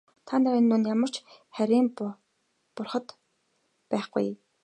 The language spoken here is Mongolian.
Та нарын дунд ямар ч харийн бурхад байхгүй.